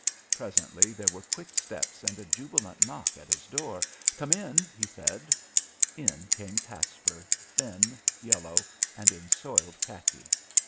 Presently there were quick steps and a jubilant knock at his door. "Come in," he said. In came Caspar, thin, yellow, and in soiled khaki.